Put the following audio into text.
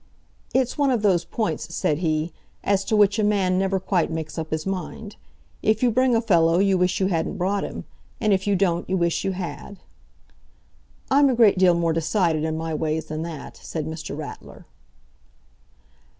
"It's one of those points," said he, "as to which a man never quite makes up his mind. If you bring a fellow, you wish you hadn't brought him; and if you don't, you wish you had." "I'm a great deal more decided in my ways that that," said Mr. Ratler.